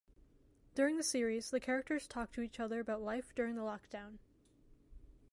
During the series the characters talk to each other about life during the lockdown.